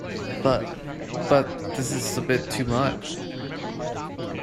But — but this is a bit too much.